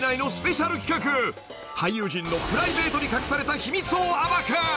［俳優陣のプライベートに隠された秘密を暴く］